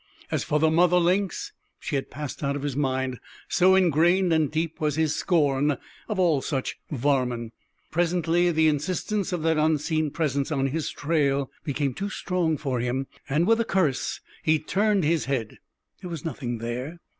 As for the mother lynx, she had passed out of his mind, so ingrained and deep was his scorn of all such "varmin." But presently the insistence of that unseen presence on his trail became too strong for him, and, with a curse, he turned his head. There was nothing there.